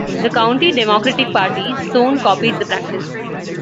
The county Democratic party soon copied the practice.